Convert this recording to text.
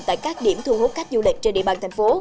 tại các điểm thu hút khách du lịch trên địa bàn thành phố